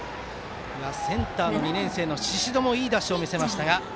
センター、２年生の宍戸もいいダッシュを見せました。